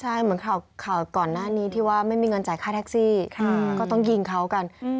ใช่เหมือนข่าวก่อนหน้านี้ที่ว่าไม่มีเงินจ่ายค่าแท็กซี่ก็ต้องยิงเขากัน